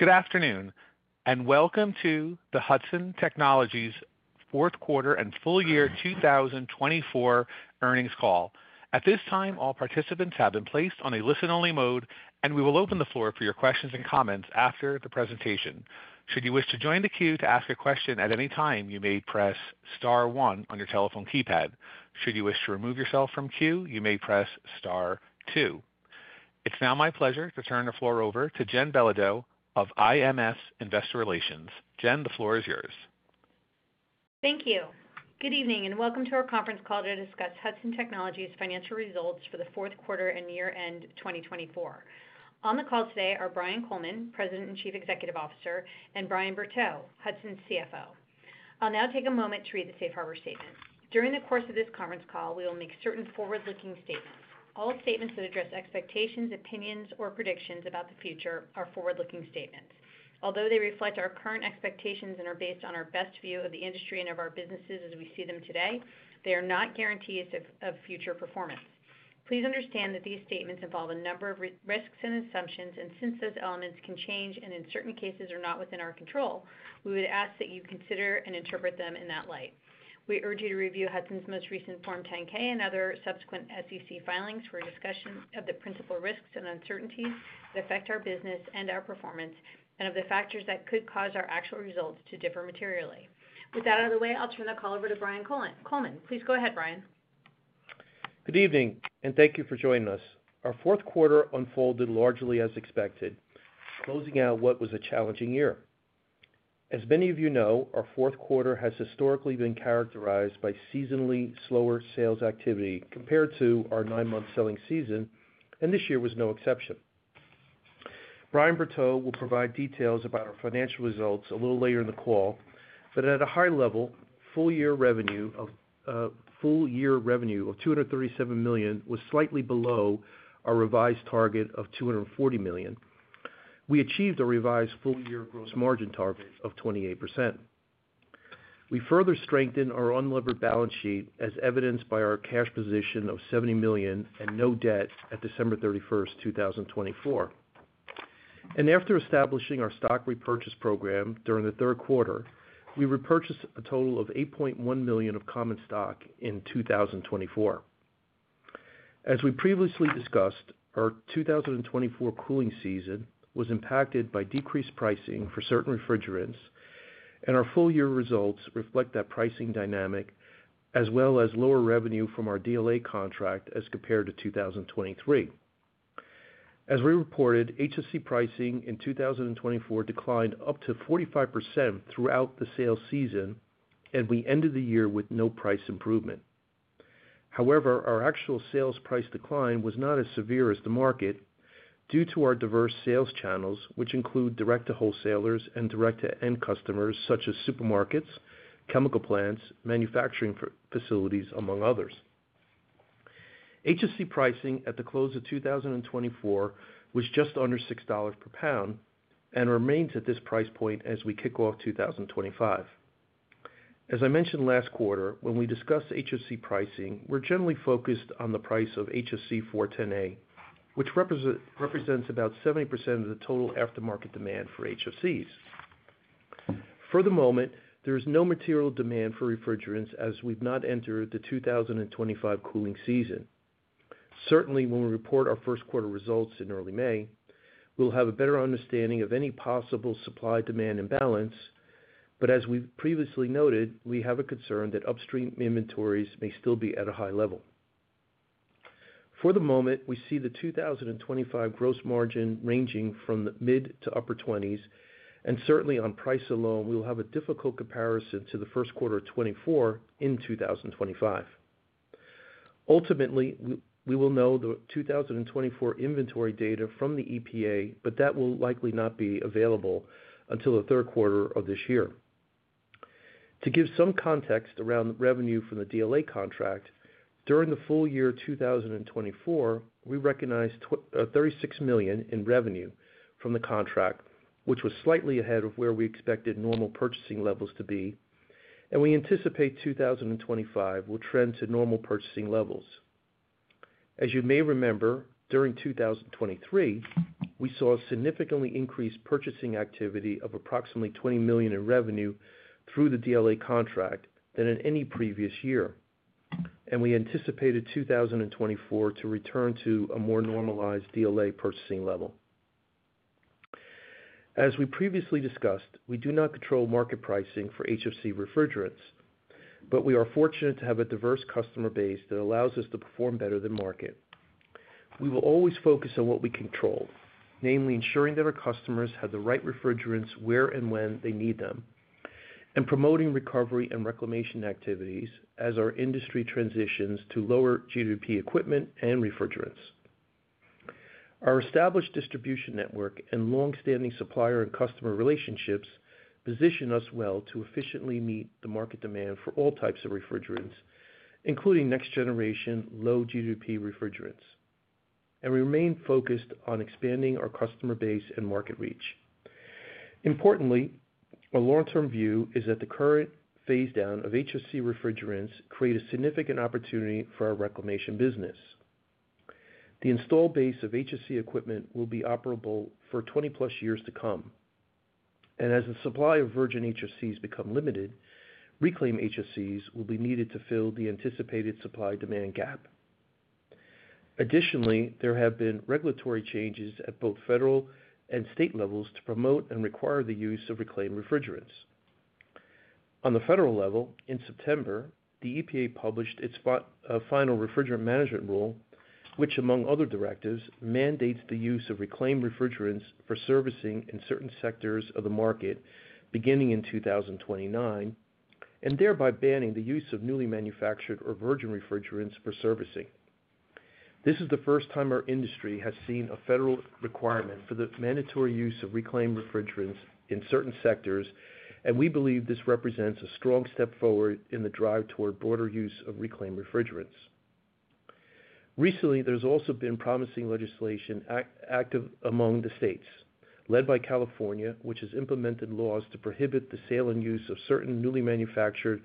Good afternoon, and welcome to the Hudson Technologies' fourth quarter and full year 2024 earnings call. At this time, all participants have been placed on a listen-only mode, and we will open the floor for your questions and comments after the presentation. Should you wish to join the queue to ask a question at any time, you may press star one on your telephone keypad. Should you wish to remove yourself from queue, you may press star two. It's now my pleasure to turn the floor over to Jen Belodeau of IMS Investor Relations. Jen, the floor is yours. Thank you. Good evening, and welcome to our conference call to discuss Hudson Technologies' financial results for the fourth quarter and year-end 2024. On the call today are Brian Coleman, President and Chief Executive Officer, and Brian Berteaux, Hudson's CFO. I'll now take a moment to read the Safe Harbor Statement. During the course of this conference call, we will make certain forward-looking statements. All statements that address expectations, opinions, or predictions about the future are forward-looking statements. Although they reflect our current expectations and are based on our best view of the industry and of our businesses as we see them today, they are not guarantees of future performance. Please understand that these statements involve a number of risks and assumptions, and since those elements can change and in certain cases are not within our control, we would ask that you consider and interpret them in that light. We urge you to review Hudson's most recent Form 10-K and other subsequent SEC filings for discussion of the principal risks and uncertainties that affect our business and our performance, and of the factors that could cause our actual results to differ materially. With that out of the way, I'll turn the call over to Brian Coleman. Please go ahead, Brian. Good evening, and thank you for joining us. Our fourth quarter unfolded largely as expected, closing out what was a challenging year. As many of you know, our fourth quarter has historically been characterized by seasonally slower sales activity compared to our nine-month selling season, and this year was no exception. Brian Bertaux will provide details about our financial results a little later in the call, but at a high level, full year revenue of $237 million was slightly below our revised target of $240 million. We achieved a revised full year gross margin target of 28%. We further strengthened our unlevered balance sheet as evidenced by our cash position of $70 million and no debt at December 31st, 2024. After establishing our stock repurchase program during the third quarter, we repurchased a total of $8.1 million of common stock in 2024. As we previously discussed, our 2024 cooling season was impacted by decreased pricing for certain refrigerants, and our full year results reflect that pricing dynamic as well as lower revenue from our DLA contract as compared to 2023. As we reported, HFC pricing in 2024 declined up to 45% throughout the sales season, and we ended the year with no price improvement. However, our actual sales price decline was not as severe as the market due to our diverse sales channels, which include direct-to-wholesalers and direct-to-end customers such as supermarkets, chemical plants, manufacturing facilities, among others. HFC pricing at the close of 2024 was just under $6 per pound and remains at this price point as we kick off 2025. As I mentioned last quarter, when we discussed HFC pricing, we're generally focused on the price of HFC 410A, which represents about 70% of the total aftermarket demand for HFCs. For the moment, there is no material demand for refrigerants as we've not entered the 2025 cooling season. Certainly, when we report our first quarter results in early May, we'll have a better understanding of any possible supply-demand imbalance, but as we previously noted, we have a concern that upstream inventories may still be at a high level. For the moment, we see the 2025 gross margin ranging from the mid to upper 20s, and certainly on price alone, we'll have a difficult comparison to the first quarter of 2024 in 2025. Ultimately, we will know the 2024 inventory data from the EPA, but that will likely not be available until the third quarter of this year. To give some context around revenue from the DLA contract, during the full year 2024, we recognized $36 million in revenue from the contract, which was slightly ahead of where we expected normal purchasing levels to be, and we anticipate 2025 will trend to normal purchasing levels. As you may remember, during 2023, we saw a significantly increased purchasing activity of approximately $20 million in revenue through the DLA contract than in any previous year, and we anticipated 2024 to return to a more normalized DLA purchasing level. As we previously discussed, we do not control market pricing for HFC refrigerants, but we are fortunate to have a diverse customer base that allows us to perform better than market. We will always focus on what we control, namely ensuring that our customers have the right refrigerants where and when they need them, and promoting recovery and reclamation activities as our industry transitions to lower GWP equipment and refrigerants. Our established distribution network and long-standing supplier and customer relationships position us well to efficiently meet the market demand for all types of refrigerants, including next-generation low GWP refrigerants, and we remain focused on expanding our customer base and market reach. Importantly, our long-term view is that the current phase down of HFC refrigerants creates a significant opportunity for our reclamation business. The installed base of HFC equipment will be operable for 20-plus years to come, and as the supply of virgin HFCs becomes limited, reclaimed HFCs will be needed to fill the anticipated supply-demand gap. Additionally, there have been regulatory changes at both federal and state levels to promote and require the use of reclaimed refrigerants. On the federal level, in September, the EPA published its final refrigerant management rule, which, among other directives, mandates the use of reclaimed refrigerants for servicing in certain sectors of the market beginning in 2029, and thereby banning the use of newly manufactured or virgin refrigerants for servicing. This is the first time our industry has seen a federal requirement for the mandatory use of reclaimed refrigerants in certain sectors, and we believe this represents a strong step forward in the drive toward broader use of reclaimed refrigerants. Recently, there's also been promising legislation active among the states, led by California, which has implemented laws to prohibit the sale and use of certain newly manufactured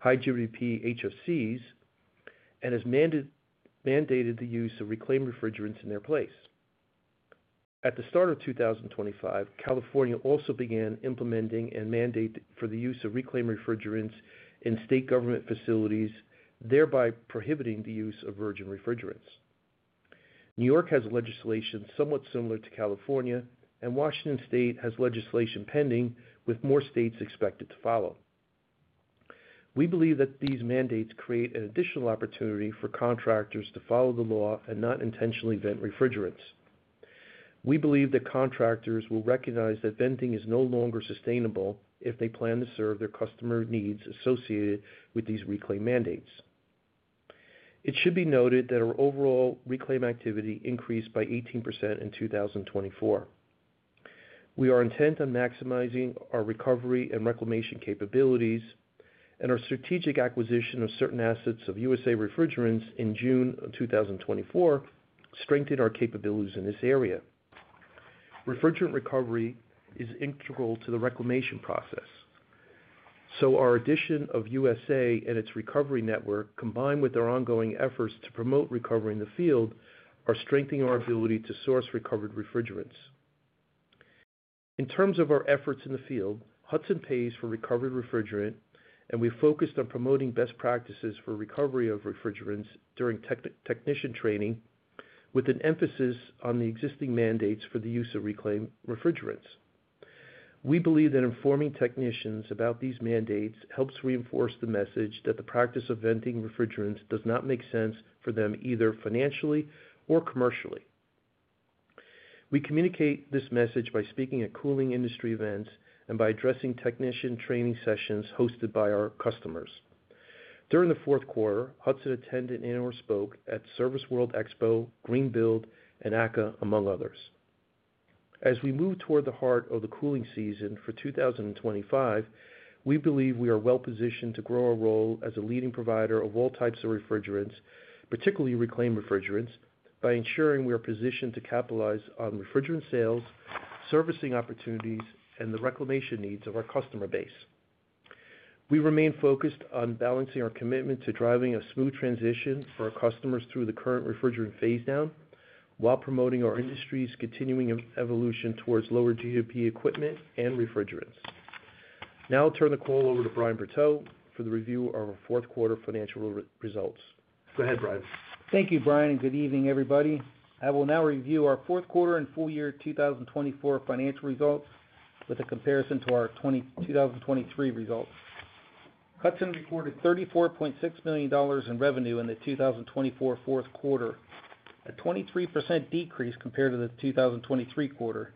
high-GWP HFCs and has mandated the use of reclaimed refrigerants in their place. At the start of 2025, California also began implementing and mandating the use of reclaimed refrigerants in state government facilities, thereby prohibiting the use of virgin refrigerants. New York has legislation somewhat similar to California, and Washington State has legislation pending, with more states expected to follow. We believe that these mandates create an additional opportunity for contractors to follow the law and not intentionally vent refrigerants. We believe that contractors will recognize that venting is no longer sustainable if they plan to serve their customer needs associated with these reclaim mandates. It should be noted that our overall reclaim activity increased by 18% in 2024. We are intent on maximizing our recovery and reclamation capabilities, and our strategic acquisition of certain assets of USA Refrigerants in June of 2024 strengthened our capabilities in this area. Refrigerant recovery is integral to the reclamation process, so our addition of USA Refrigerants and its recovery network, combined with our ongoing efforts to promote recovery in the field, are strengthening our ability to source recovered refrigerants. In terms of our efforts in the field, Hudson pays for recovered refrigerant, and we focused on promoting best practices for recovery of refrigerants during technician training, with an emphasis on the existing mandates for the use of reclaimed refrigerants. We believe that informing technicians about these mandates helps reinforce the message that the practice of venting refrigerants does not make sense for them either financially or commercially. We communicate this message by speaking at cooling industry events and by addressing technician training sessions hosted by our customers. During the fourth quarter, Hudson attended and/or spoke at ServiceWorld Expo, Greenbuild, and ACCA, among others. As we move toward the heart of the cooling season for 2025, we believe we are well-positioned to grow our role as a leading provider of all types of refrigerants, particularly reclaimed refrigerants, by ensuring we are positioned to capitalize on refrigerant sales, servicing opportunities, and the reclamation needs of our customer base. We remain focused on balancing our commitment to driving a smooth transition for our customers through the current refrigerant phase down while promoting our industry's continuing evolution towards lower GWP equipment and refrigerants. Now I'll turn the call over to Brian Bertaux for the review of our fourth quarter financial results. Go ahead, Brian. Thank you, Brian, and good evening, everybody. I will now review our fourth quarter and full year 2024 financial results with a comparison to our 2023 results. Hudson reported $34.6 million in revenue in the 2024 fourth quarter, a 23% decrease compared to the 2023 quarter.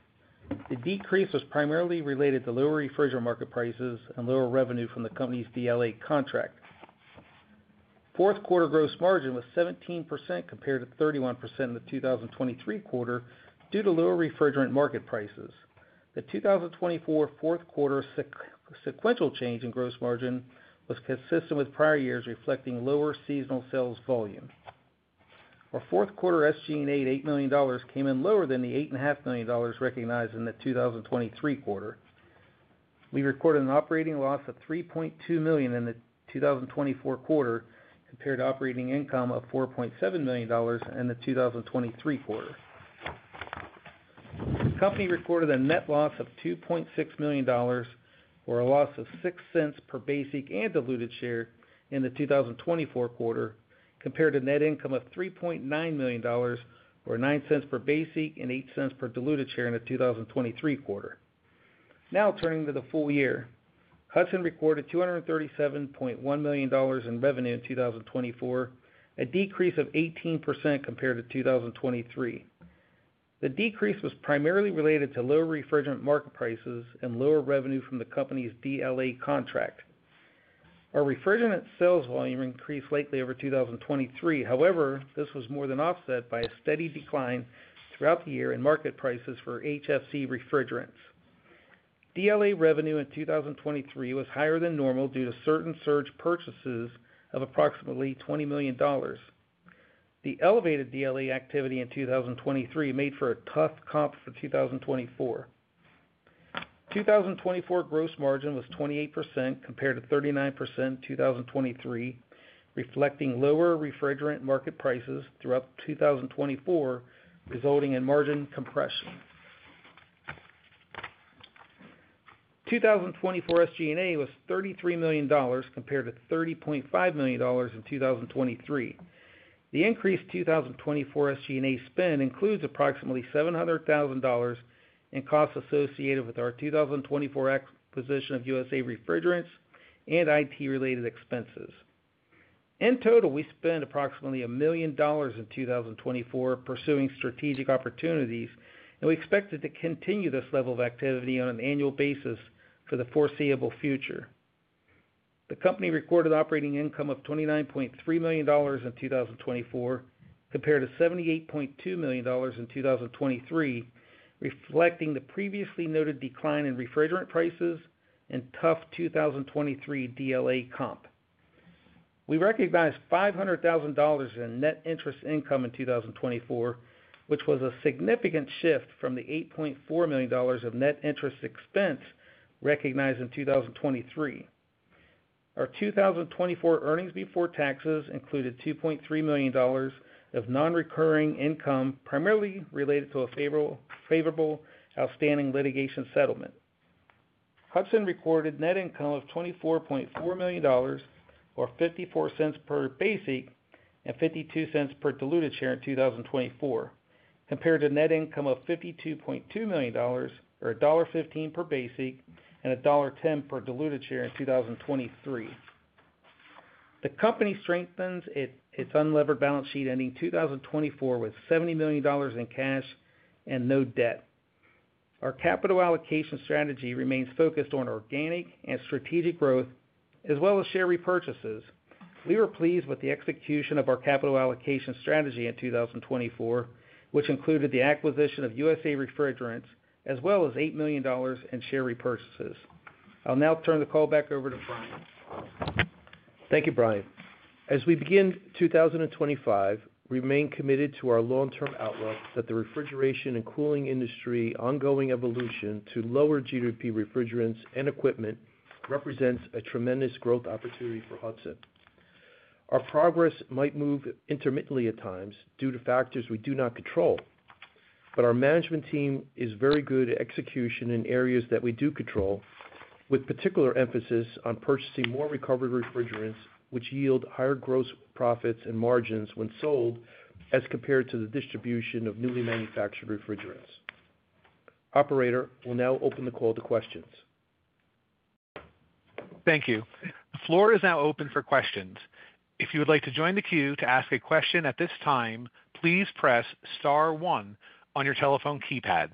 The decrease was primarily related to lower refrigerant market prices and lower revenue from the company's DLA contract. Fourth quarter gross margin was 17% compared to 31% in the 2023 quarter due to lower refrigerant market prices. The 2024 fourth quarter sequential change in gross margin was consistent with prior years, reflecting lower seasonal sales volume. Our fourth quarter SG&A at $8 million came in lower than the $8.5 million recognized in the 2023 quarter. We recorded an operating loss of $3.2 million in the 2024 quarter compared to operating income of $4.7 million in the 2023 quarter. The company recorded a net loss of $2.6 million, or a loss of $0.06 per basic and diluted share in the 2024 quarter, compared to net income of $3.9 million, or $0.09 per basic and $0.08 per diluted share in the 2023 quarter. Now turning to the full year, Hudson recorded $237.1 million in revenue in 2024, a decrease of 18% compared to 2023. The decrease was primarily related to lower refrigerant market prices and lower revenue from the company's DLA contract. Our refrigerant sales volume increased slightly over 2023; however, this was more than offset by a steady decline throughout the year in market prices for HFC refrigerants. DLA revenue in 2023 was higher than normal due to certain surge purchases of approximately $20 million. The elevated DLA activity in 2023 made for a tough comp for 2024. 2024 gross margin was 28% compared to 39% in 2023, reflecting lower refrigerant market prices throughout 2024, resulting in margin compression. 2024 SG&A was $33 million compared to $30.5 million in 2023. The increased 2024 SG&A spend includes approximately $700,000 in costs associated with our 2024 acquisition of USA Refrigerants and IT-related expenses. In total, we spent approximately $1 million in 2024 pursuing strategic opportunities, and we expect to continue this level of activity on an annual basis for the foreseeable future. The company recorded operating income of $29.3 million in 2024 compared to $78.2 million in 2023, reflecting the previously noted decline in refrigerant prices and tough 2023 DLA comp. We recognized $500,000 in net interest income in 2024, which was a significant shift from the $8.4 million of net interest expense recognized in 2023. Our 2024 earnings before taxes included $2.3 million of non-recurring income, primarily related to a favorable outstanding litigation settlement. Hudson recorded net income of $24.4 million, or $0.54 per basic and $0.52 per diluted share in 2024, compared to net income of $52.2 million, or $1.15 per basic and $1.10 per diluted share in 2023. The company strengthens its unlevered balance sheet ending 2024 with $70 million in cash and no debt. Our capital allocation strategy remains focused on organic and strategic growth, as well as share repurchases. We were pleased with the execution of our capital allocation strategy in 2024, which included the acquisition of USA Refrigerants, as well as $8 million in share repurchases. I'll now turn the call back over to Brian. Thank you, Brian. As we begin 2025, we remain committed to our long-term outlook that the refrigeration and cooling industry's ongoing evolution to lower GWP refrigerants and equipment represents a tremendous growth opportunity for Hudson. Our progress might move intermittently at times due to factors we do not control, but our management team is very good at execution in areas that we do control, with particular emphasis on purchasing more recovered refrigerants, which yield higher gross profits and margins when sold as compared to the distribution of newly manufactured refrigerants. Operator will now open the call to questions. Thank you. The floor is now open for questions. If you would like to join the queue to ask a question at this time, please press star one on your telephone keypad.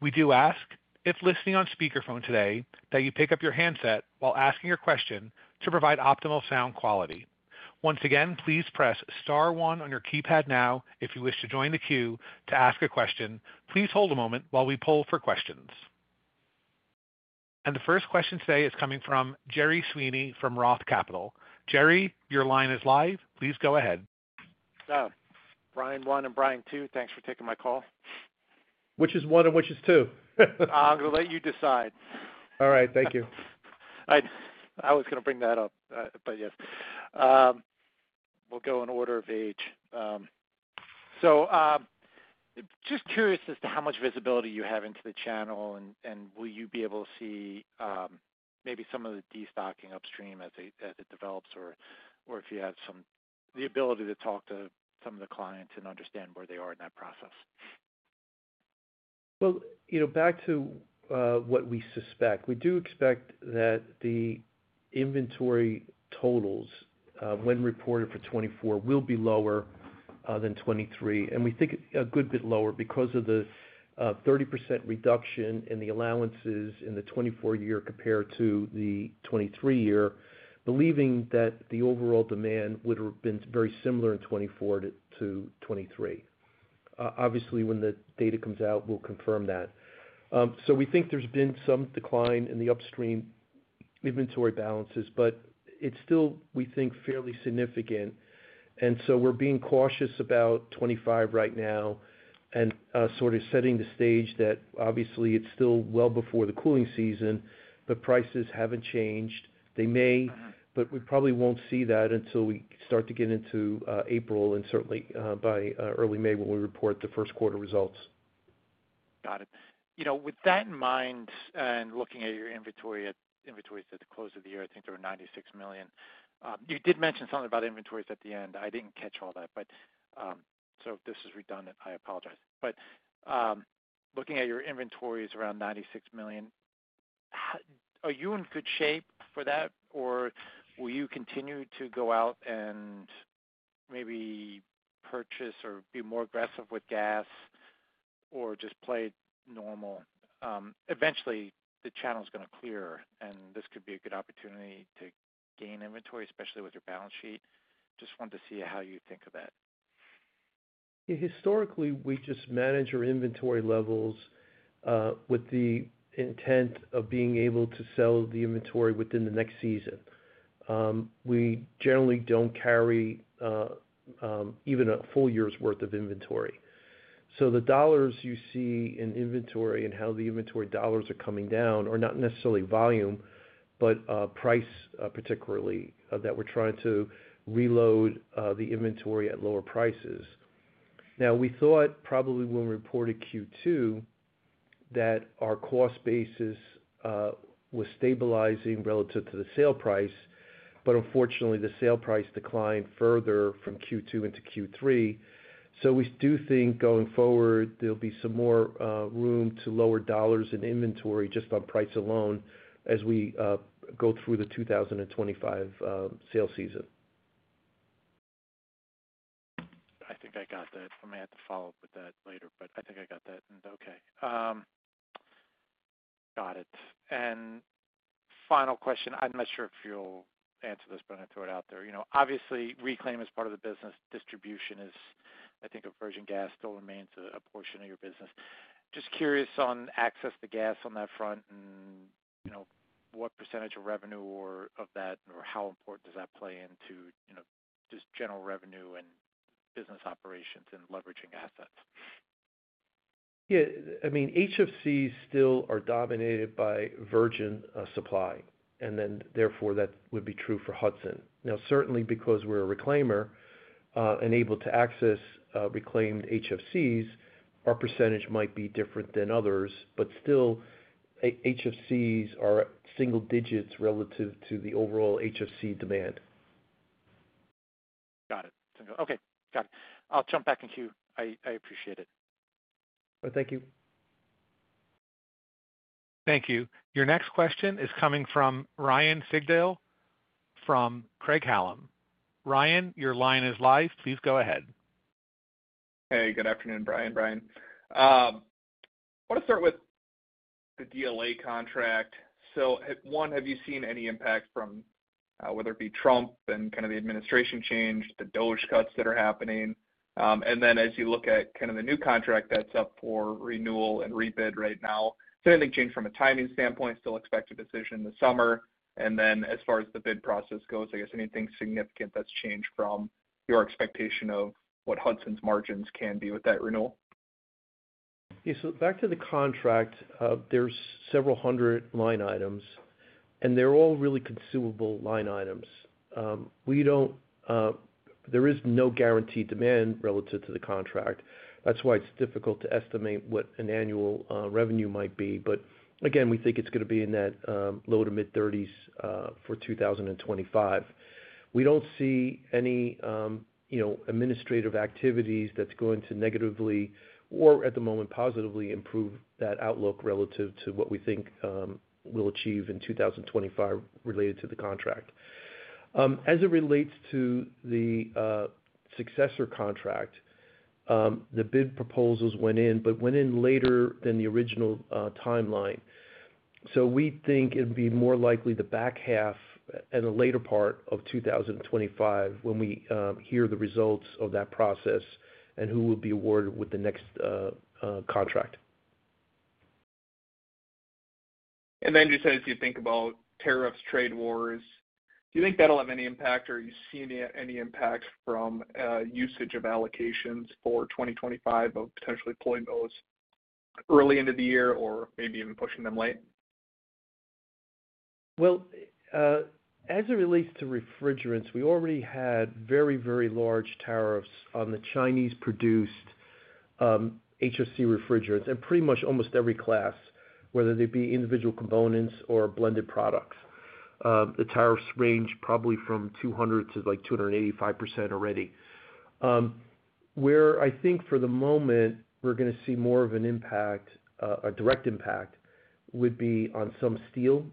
We do ask, if listening on speakerphone today, that you pick up your handset while asking your question to provide optimal sound quality. Once again, please press star one on your keypad now. If you wish to join the queue to ask a question, please hold a moment while we pull for questions. The first question today is coming from Gerry Sweeney from Roth Capital. Gerry, your line is live. Please go ahead. Brian, one and Brian, two. Thanks for taking my call. Which is one or which is two? I'm going to let you decide. All right. Thank you. I was going to bring that up, but yes. We'll go in order of age. Just curious as to how much visibility you have into the channel, and will you be able to see maybe some of the de-stocking upstream as it develops, or if you have the ability to talk to some of the clients and understand where they are in that process? Back to what we suspect. We do expect that the inventory totals, when reported for 2024, will be lower than 2023, and we think a good bit lower because of the 30% reduction in the allowances in the 2024 year compared to the 2023 year, believing that the overall demand would have been very similar in 2024 to 2023. Obviously, when the data comes out, we'll confirm that. We think there's been some decline in the upstream inventory balances, but it's still, we think, fairly significant. We are being cautious about 2025 right now and sort of setting the stage that, obviously, it's still well before the cooling season, but prices haven't changed. They may, but we probably won't see that until we start to get into April and certainly by early May when we report the first quarter results. Got it. With that in mind and looking at your inventories at the close of the year, I think there were $96 million. You did mention something about inventories at the end. I didn't catch all that, so this is redundant. I apologize. Looking at your inventories around $96 million, are you in good shape for that, or will you continue to go out and maybe purchase or be more aggressive with gas or just play normal? Eventually, the channel is going to clear, and this could be a good opportunity to gain inventory, especially with your balance sheet. Just wanted to see how you think of that. Historically, we just manage our inventory levels with the intent of being able to sell the inventory within the next season. We generally do not carry even a full year's worth of inventory. So the dollars you see in inventory and how the inventory dollars are coming down are not necessarily volume, but price, particularly, that we are trying to reload the inventory at lower prices. Now, we thought probably when we reported Q2 that our cost basis was stabilizing relative to the sale price, but unfortunately, the sale price declined further from Q2 into Q3. We do think going forward there will be some more room to lower dollars in inventory just on price alone as we go through the 2025 sale season. I think I got that. I may have to follow up with that later, but I think I got that. Okay. Got it. Final question. I'm not sure if you'll answer this, but I'm going to throw it out there. Obviously, reclaim is part of the business. Distribution is, I think, a virgin gas still remains a portion of your business. Just curious on access to gas on that front and what percentage of revenue or of that, or how important does that play into just general revenue and business operations and leveraging assets? Yeah. I mean, HFCs still are dominated by virgin supply, and then therefore that would be true for Hudson. Now, certainly, because we're a reclaimer and able to access reclaimed HFCs, our percentage might be different than others, but still, HFCs are single digits relative to the overall HFC demand. Got it. Okay. Got it. I'll jump back in queue. I appreciate it. Thank you. Thank you. Your next question is coming from Ryan Sigdahl from Craig-Hallum. Ryan, your line is live. Please go ahead. Hey, good afternoon, Brian. Brian, I want to start with the DLA contract. One, have you seen any impact from whether it be Trump and kind of the administration change, the DOD cuts that are happening? As you look at kind of the new contract that's up for renewal and rebid right now, is there anything changed from a timing standpoint? Still expect a decision in the summer. As far as the bid process goes, I guess anything significant that's changed from your expectation of what Hudson's margins can be with that renewal? Yeah. So back to the contract, there's several hundred line items, and they're all really consumable line items. There is no guaranteed demand relative to the contract. That's why it's difficult to estimate what an annual revenue might be. Again, we think it's going to be in that low to mid-30s for 2025. We don't see any administrative activities that's going to negatively or, at the moment, positively improve that outlook relative to what we think we'll achieve in 2025 related to the contract. As it relates to the successor contract, the bid proposals went in, but went in later than the original timeline. We think it'd be more likely the back half and the later part of 2025 when we hear the results of that process and who will be awarded with the next contract. As you think about tariffs, trade wars, do you think that'll have any impact, or are you seeing any impact from usage of allocations for 2025 of potentially pulling those early into the year or maybe even pushing them late? As it relates to refrigerants, we already had very, very large tariffs on the Chinese-produced HFC refrigerants and pretty much almost every class, whether they be individual components or blended products. The tariffs range probably from 200-285% already. Where I think for the moment we're going to see more of an impact, a direct impact, would be on some steel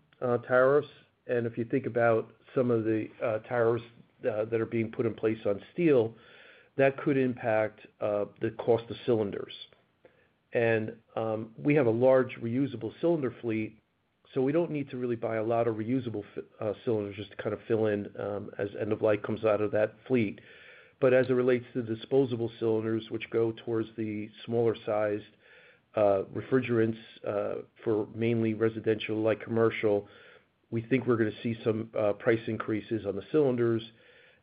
tariffs. If you think about some of the tariffs that are being put in place on steel, that could impact the cost of cylinders. We have a large reusable cylinder fleet, so we don't need to really buy a lot of reusable cylinders just to kind of fill in as end-of-life comes out of that fleet. As it relates to disposable cylinders, which go towards the smaller-sized refrigerants for mainly residential-like commercial, we think we're going to see some price increases on the cylinders.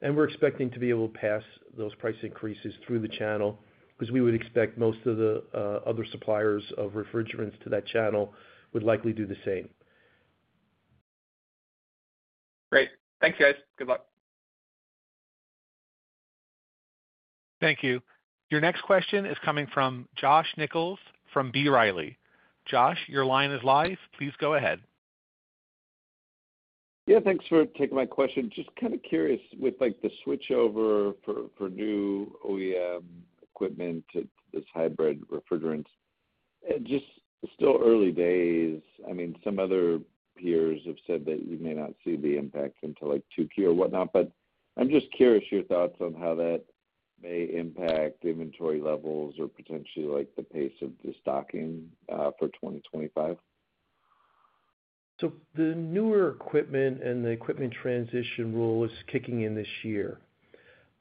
We're expecting to be able to pass those price increases through the channel because we would expect most of the other suppliers of refrigerants to that channel would likely do the same. Great. Thanks, guys. Good luck. Thank you. Your next question is coming from Josh Nichols from B. Riley. Josh, your line is live. Please go ahead. Yeah. Thanks for taking my question. Just kind of curious with the switchover for new OEM equipment to this hybrid refrigerants. Just still early days. I mean, some other peers have said that you may not see the impact until Q2 or whatnot, but I'm just curious your thoughts on how that may impact inventory levels or potentially the pace of the stocking for 2025. The newer equipment and the equipment transition rule is kicking in this year.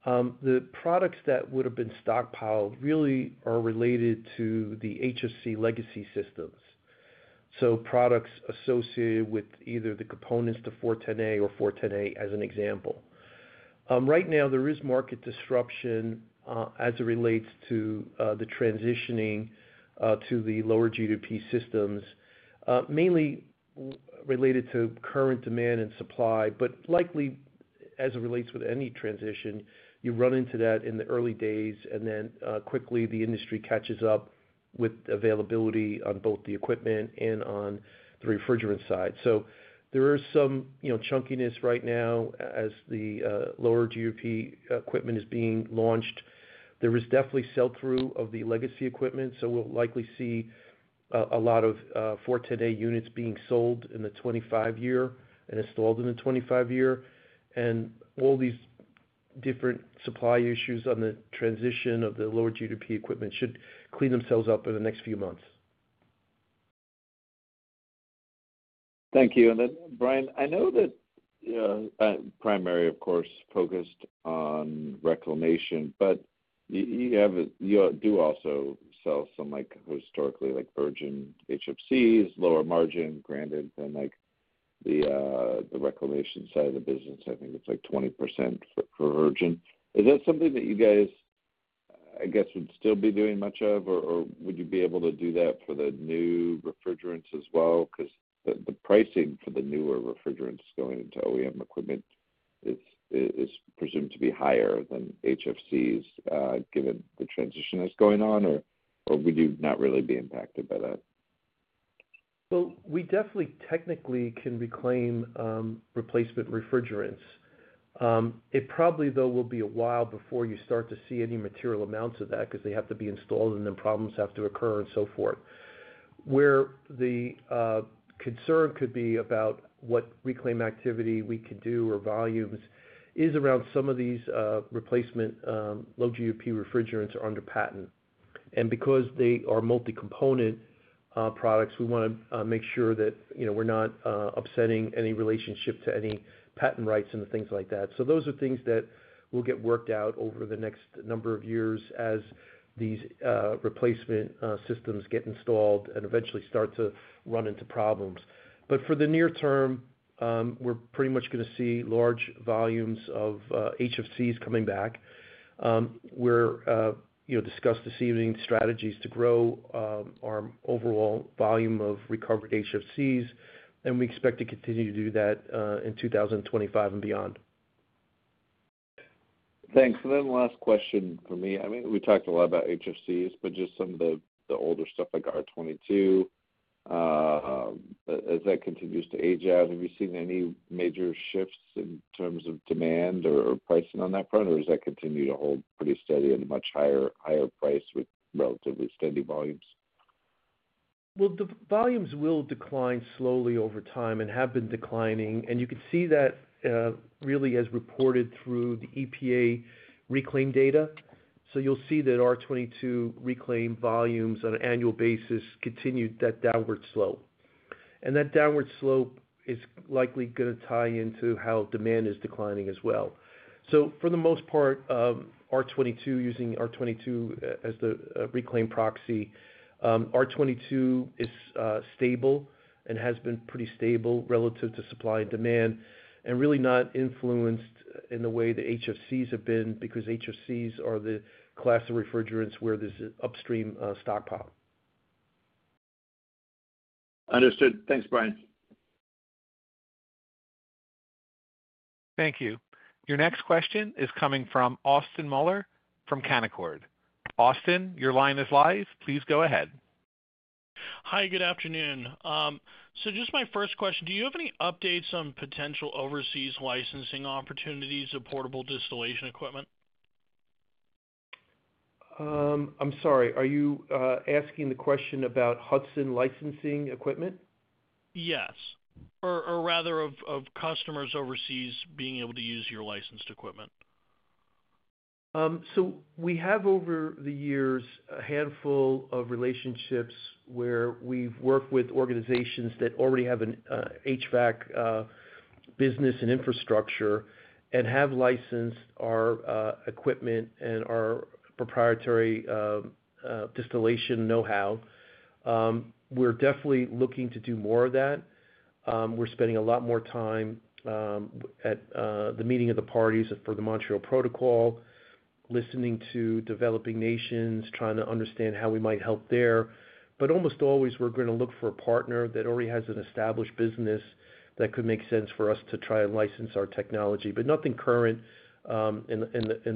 The products that would have been stockpiled really are related to the HFC legacy systems. Products associated with either the components to 410A or 410A as an example. Right now, there is market disruption as it relates to the transitioning to the lower GWP systems, mainly related to current demand and supply, but likely as it relates with any transition, you run into that in the early days, and then quickly the industry catches up with availability on both the equipment and on the refrigerant side. There is some chunkiness right now as the lower GWP equipment is being launched. There is definitely sell-through of the legacy equipment, so we'll likely see a lot of 410A units being sold in the 2025 year and installed in the 2025 year. All these different supply issues on the transition of the lower GDP equipment should clean themselves up in the next few months. Thank you. Brian, I know that primarily, of course, you are focused on reclamation, but you do also sell some historically virgin HFCs, lower margin, granted. The reclamation side of the business, I think it is like 20% for virgin. Is that something that you guys, I guess, would still be doing much of, or would you be able to do that for the new refrigerants as well? Because the pricing for the newer refrigerants going into OEM equipment is presumed to be higher than HFCs given the transition that is going on, or would you not really be impacted by that? We definitely technically can reclaim replacement refrigerants. It probably, though, will be a while before you start to see any material amounts of that because they have to be installed, and then problems have to occur and so forth. Where the concern could be about what reclaim activity we could do or volumes is around some of these replacement low GWP refrigerants are under patent. And because they are multi-component products, we want to make sure that we're not upsetting any relationship to any patent rights and things like that. Those are things that will get worked out over the next number of years as these replacement systems get installed and eventually start to run into problems. For the near term, we're pretty much going to see large volumes of HFCs coming back. We're discussing this evening strategies to grow our overall volume of recovered HFCs, and we expect to continue to do that in 2025 and beyond. Thanks. Last question for me. I mean, we talked a lot about HFCs, but just some of the older stuff like R-22, as that continues to age out, have you seen any major shifts in terms of demand or pricing on that front, or does that continue to hold pretty steady at a much higher price with relatively steady volumes? The volumes will decline slowly over time and have been declining. You can see that really as reported through the EPA reclaim data. You'll see that R-22 reclaim volumes on an annual basis continue that downward slope. That downward slope is likely going to tie into how demand is declining as well. For the most part, using R-22 as the reclaim proxy, R-22 is stable and has been pretty stable relative to supply and demand and really not influenced in the way the HFCs have been because HFCs are the class of refrigerants where there's an upstream stockpile. Understood. Thanks, Brian. Thank you. Your next question is coming from Austin Moeller from Canaccord. Austin, your line is live. Please go ahead. Hi. Good afternoon. Just my first question. Do you have any updates on potential overseas licensing opportunities of portable distillation equipment? I'm sorry. Are you asking the question about Hudson licensing equipment? Yes. Or rather of customers overseas being able to use your licensed equipment. We have over the years a handful of relationships where we've worked with organizations that already have an HVAC business and infrastructure and have licensed our equipment and our proprietary distillation know-how. We're definitely looking to do more of that. We're spending a lot more time at the meeting of the parties for the Montreal Protocol, listening to developing nations, trying to understand how we might help there. Almost always, we're going to look for a partner that already has an established business that could make sense for us to try and license our technology, but nothing current in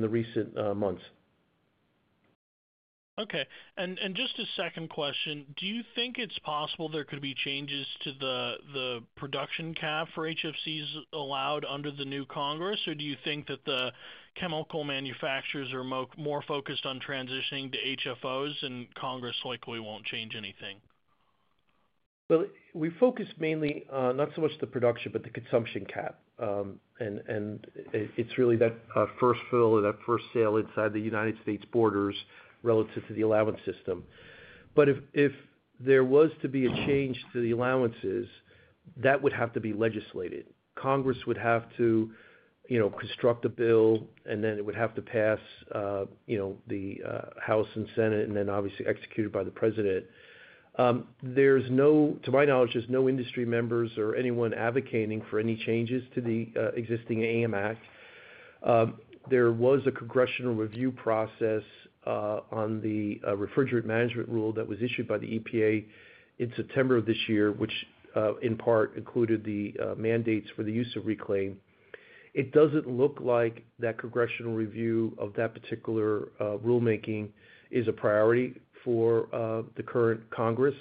the recent months. Okay. Just a second question. Do you think it's possible there could be changes to the production cap for HFCs allowed under the new Congress, or do you think that the chemical manufacturers are more focused on transitioning to HFOs, and Congress likely won't change anything? We focus mainly not so much the production, but the consumption cap. It is really that first fill or that first sale inside the United States borders relative to the allowance system. If there was to be a change to the allowances, that would have to be legislated. Congress would have to construct a bill, and it would have to pass the House and Senate, and obviously executed by the president. To my knowledge, there are no industry members or anyone advocating for any changes to the existing AIM Act. There was a congressional review process on the refrigerant management rule that was issued by the EPA in September of this year, which in part included the mandates for the use of reclaim. It does not look like that congressional review of that particular rulemaking is a priority for the current Congress.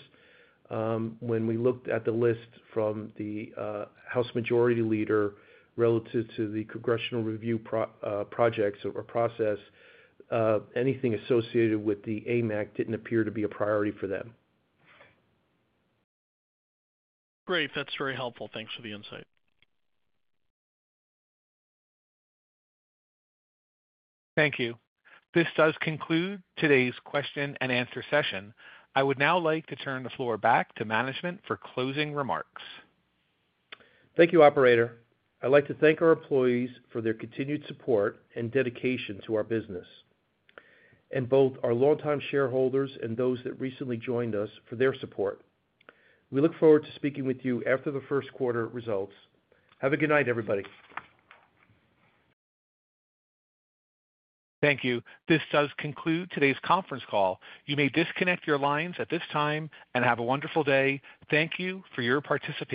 When we looked at the list from the House Majority Leader relative to the congressional review projects or process, anything associated with the AIM Act didn't appear to be a priority for them. Great. That's very helpful. Thanks for the insight. Thank you. This does conclude today's question and answer session. I would now like to turn the floor back to management for closing remarks. Thank you, Operator. I'd like to thank our employees for their continued support and dedication to our business, and both our longtime shareholders and those that recently joined us for their support. We look forward to speaking with you after the first quarter results. Have a good night, everybody. Thank you. This does conclude today's conference call. You may disconnect your lines at this time and have a wonderful day. Thank you for your participation.